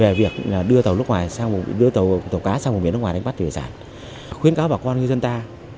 về việc đưa tàu cá sang vùng biển nước ngoài đánh bắt hải sản khuyến cáo bà con như dân ta